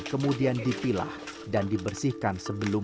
kemudian dipilah dan dibersihkan sebelum